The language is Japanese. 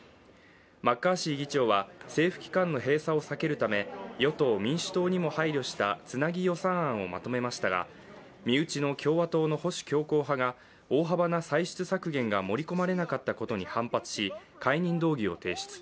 マッカーシー議長は政府機関の閉鎖を避けるため与党・民主党にも配慮したつなぎ予算案をまとめましたが、身内の共和党の保守強硬派が大幅な歳出削減が盛り込まれなかったことに反発し、解任動議を提出。